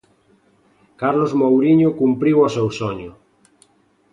Carlos Mouriño cumpriu o seu soño.